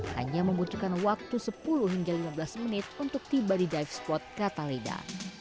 hanya membutuhkan waktu sepuluh hingga lima belas menit untuk tiba di dive spot catalina